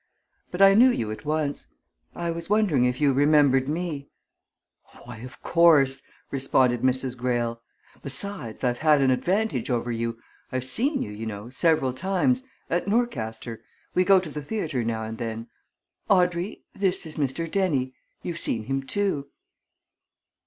"But I knew you at once I was wondering if you remembered me?" "Why, of course," responded Mrs. Greyle. "Besides, I've had an advantage over you. I've seen you, you know, several times at Norcaster. We go to the theatre now and then. Audrey this is Mr. Dennie you've seen him, too."